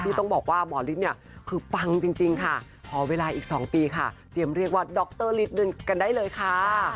ต้องบอกว่าหมอฤทธิ์เนี่ยคือปังจริงค่ะขอเวลาอีก๒ปีค่ะเตรียมเรียกว่าดรฤทธิ์กันได้เลยค่ะ